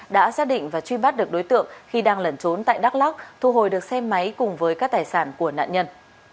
đã xác định và truy bắt được đối tượng khi đang lẩn trốn tại đắk lắk thu hồi được xe máy cùng với các tài sản của nạn nhân